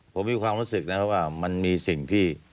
ผมมีความรู้สึกนะครับว่ามันมีสิ่งที่